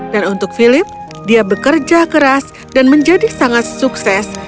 dan untuk philip dia bekerja keras dan menjadi sangat sukses